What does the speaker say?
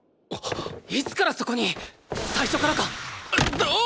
いつからそこに⁉最初からか⁉どう！